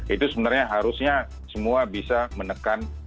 itu sebenarnya harusnya semua bisa menekan